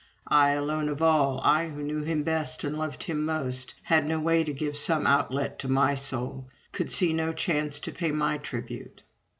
I alone of all, I who knew him best and loved him most, had no way to give some outlet to my soul; could see no chance to pay my tribute.